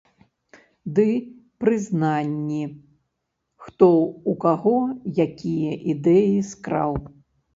Ды прызнанні, хто ў каго якія ідэі скраў.